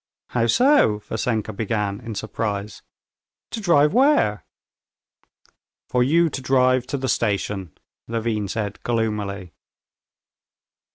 "How so?" Vassenka began in surprise. "To drive where?" "For you to drive to the station," Levin said gloomily.